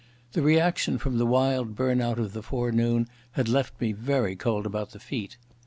The reaction from the wild burnout of the forenoon had left me very cold about the feet.